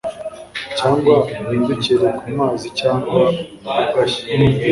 Cyangwa uhindukire kumazi Cyangwa ugashya